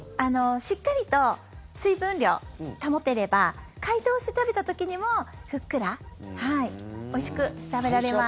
しっかりと水分量保てれば解凍して食べた時にもふっくらおいしく食べられます。